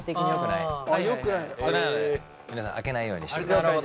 なので皆さん開けないようにしてください。